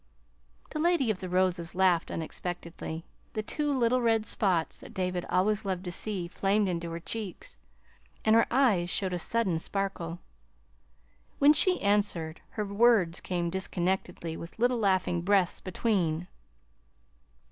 The Lady of the Roses laughed unexpectedly. The two little red spots, that David always loved to see, flamed into her cheeks, and her eyes showed a sudden sparkle. When she answered, her words came disconnectedly, with little laughing breaths between.